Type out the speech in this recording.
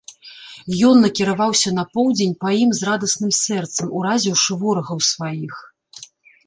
Ён накіраваўся на поўдзень па ім з радасным сэрцам, уразіўшы ворагаў сваіх.